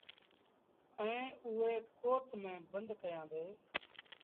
ائيٚݩ آئي ڪوٽ ميݩ بند ڪيآݩدي۔